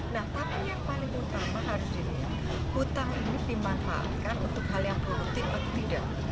nah tapi yang paling utama harus dilihat hutang ini dimanfaatkan untuk hal yang produktif atau tidak